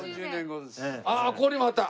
ああっここにもあった！